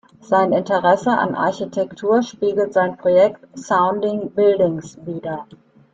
Sein Interesse an Architektur spiegelt sein Projekt "Sounding Buildings" wider.